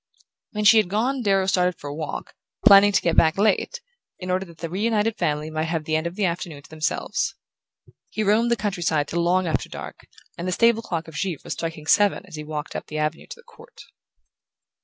When she had gone Darrow started for a walk, planning to get back late, in order that the reunited family might have the end of the afternoon to themselves. He roamed the country side till long after dark, and the stable clock of Givre was striking seven as he walked up the avenue to the court.